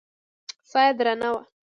ساه يې درنه وه.